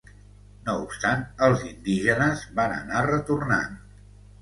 No obstant els indígenes van anar retornant.